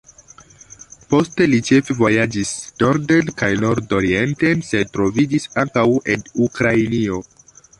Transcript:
Poste li ĉefe vojaĝis norden kaj nordorienten, sed troviĝis ankaŭ en Ukrainio.